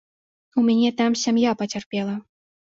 У мяне там сям'я пацярпела.